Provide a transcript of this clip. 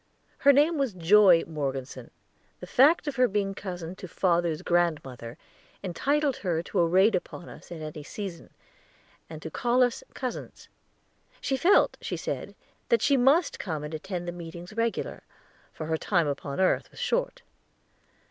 Her name was Joy Morgeson; the fact of her being cousin to father's grandmother entitled her to a raid upon us at any season, and to call us "cousins." She felt, she said, that she must come and attend the meetings regular, for her time upon earth was short.